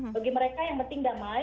bagi mereka yang penting damai